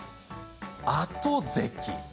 あとぜき。